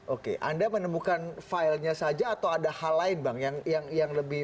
oke anda menemukan filenya saja atau ada hal lain bang yang lebih